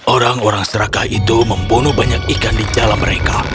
orang orang serakah itu membunuh banyak ikan di dalam mereka